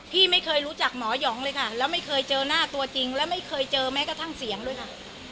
พี่ไม่เคยรู้จักหมอหองเลยค่ะแล้วไม่เคยเจอหน้าตัวจริงแล้วไม่เคยเจอแม้กระทั่งเสียงเลยค่ะ